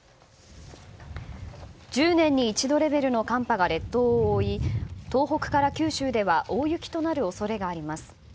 １０年に一度レベルの寒波が列島を覆い東北から九州では大雪となる恐れがあります。